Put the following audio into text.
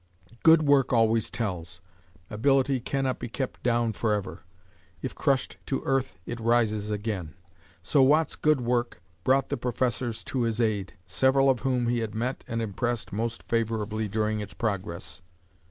Good work always tells. Ability cannot be kept down forever; if crushed to earth, it rises again. So Watt's "good work" brought the Professors to his aid, several of whom he had met and impressed most favorably during its progress.